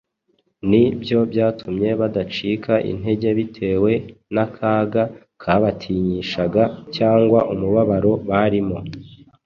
ni byo byatumye badacika intege bitewe n’akaga kabatinyishaga cyangwa umubabaro barimo.